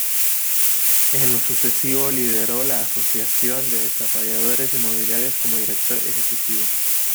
En lo sucesivo lideró la Asociación de Desarrolladores Inmobiliarios como director ejecutivo.